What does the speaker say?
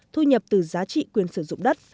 thu nhập từ giá trị quyền sử dụng đất